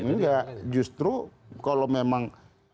enggak justru kalau memang